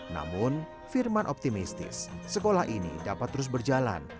namun firman optimistis sekolah ini dapat terus berjalan